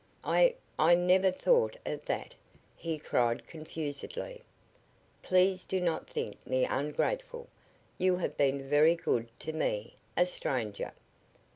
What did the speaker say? "I I never thought of that?" he cried, confusedly. "Please do not think me ungrateful. You have been very good to me, a stranger.